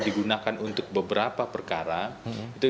digunakan untuk beberapa perkara itu